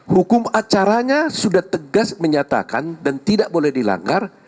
hukum acaranya sudah tegas menyatakan dan tidak boleh dilanggar